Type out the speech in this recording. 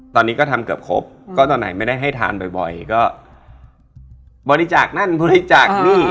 ตอนนี้ก็ทำเกือบครบก็ตอนไหนไม่ได้ให้ทานบ่อยก็บริจาคนั่นบริจาคนี่